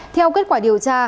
theo kết quả điều tra